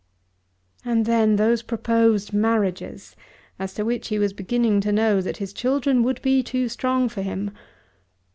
And then those proposed marriages, as to which he was beginning to know that his children would be too strong for him!